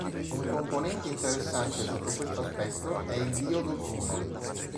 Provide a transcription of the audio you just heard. Un componente interessante sotto questo aspetto è il diodo tunnel.